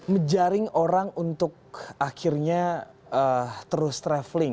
menjaring orang untuk akhirnya terus traveling